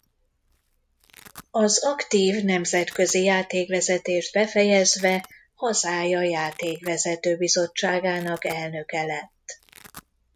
Az aktív nemzetközi játékvezetést befejezve hazája Játékvezető Bizottságának elnöke lett.